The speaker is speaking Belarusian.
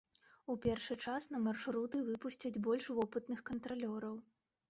У першы час на маршруты выпусцяць больш вопытных кантралёраў.